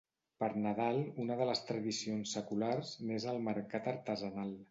Per Nadal, una de les tradicions seculars n'és el mercat artesanal.